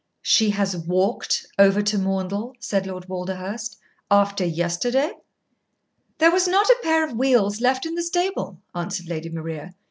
"She has walked over to Maundell," said Lord Walderhurst "after yesterday?" "There was not a pair of wheels left in the stable," answered Lady Maria.